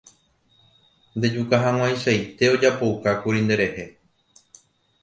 Ndejukahag̃uaichaite ojapoukákuri nderehe.